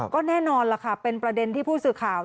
ก็แน่นอนล่ะค่ะเป็นประเด็นที่ผู้สื่อข่าว